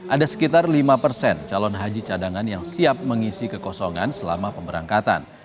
ada sekitar lima persen calon haji cadangan yang siap mengisi kekosongan selama pemberangkatan